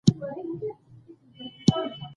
ورته راغلل غوري ګان د پولاوونو